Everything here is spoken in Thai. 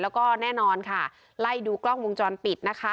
แล้วก็แน่นอนค่ะไล่ดูกล้องวงจรปิดนะคะ